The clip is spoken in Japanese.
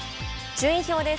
順位表です。